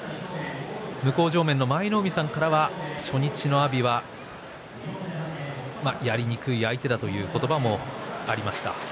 向正面の舞の海さんからは初日の阿炎はやりにくい相手だという言葉もありました。